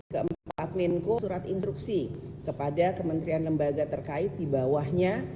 keempat menko surat instruksi kepada kementerian lembaga terkait di bawahnya